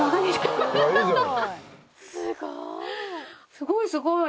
すごいすごい！